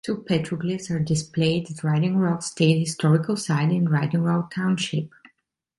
Two petroglyphs are displayed at Writing Rock State Historical Site in Writing Rock Township.